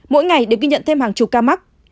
mỗi ngày đều ghi nhận thêm hàng chục ca mắc